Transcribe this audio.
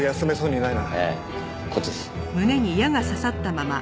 こっちです。